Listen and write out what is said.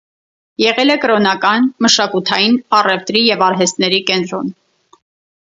Եղել է կրոնական, մշակութային, առևտրի և արհեստների կենտրոն։